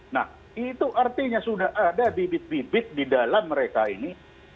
nah itu artinya sudah ada bibit bibit di dalam mereka ini